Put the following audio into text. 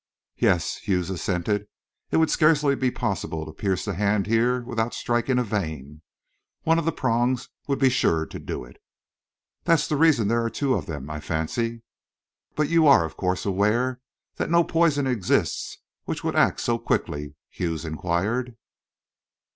"Yes," Hughes assented. "It would scarcely be possible to pierce the hand here without striking a vein. One of the prongs would be sure to do it." "That's the reason there are two of them, I fancy." "But you are, of course, aware that no poison exists which would act so quickly?" Hughes inquired.